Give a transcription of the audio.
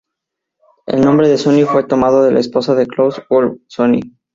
El nombre de Sunny fue tomado de la esposa de Claus von Bülow, Sunny.